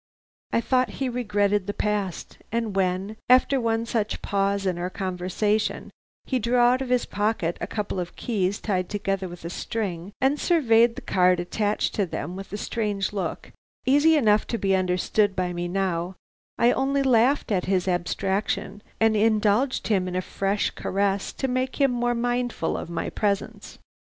I thought he regretted the past, and when, after one such pause in our conversation, he drew out of his pocket a couple of keys tied together with a string, and surveyed the card attached to them with a strange look, easily enough to be understood by me now, I only laughed at his abstraction, and indulged in a fresh caress to make him more mindful of my presence.